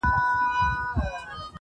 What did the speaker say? حق لرم چي والوزم اسمان ته الوته لرم,